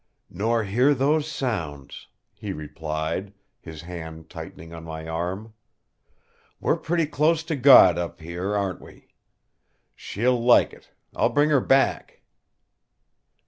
"Nor hear those sounds," he replied, his hand tightening on my arm. "We're pretty close to God up here, aren't we? She'll like it I'll bring her back!"